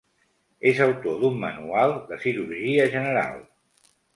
És autor d'un manual de cirurgia general.